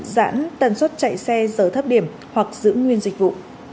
giãn tần suất chạy xe giờ thấp điểm hoặc giữ nguyên dịch vụ